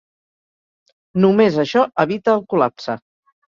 Només això evita el col·lapse.